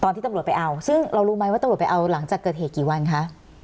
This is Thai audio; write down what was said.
ที่ตำรวจไปเอาซึ่งเรารู้ไหมว่าตำรวจไปเอาหลังจากเกิดเหตุกี่วันคะ